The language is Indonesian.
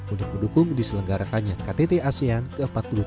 untuk mendukung diselenggarakannya ktt asean ke empat puluh tiga